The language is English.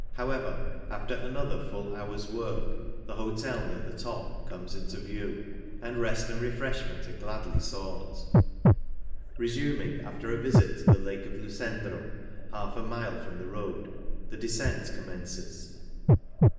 However, after another full hour's work the hotel near the top comes into OTHER PASSES 183 view, and rest and refreshment are gladly sought Resuming, after a visit to the Lake of Lucendro (half a mile from the road), the descent commences.